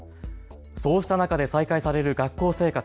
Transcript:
そうした中で再開される学校生活。